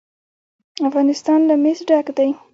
افغانستان له مس ډک دی.